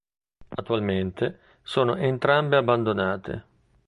Attualmente sono entrambe abbandonate.